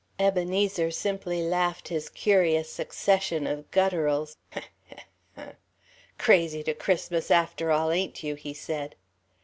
Ebenezer simply laughed his curious succession of gutturals. "Crazy to Christmas after all, ain't you?" he said.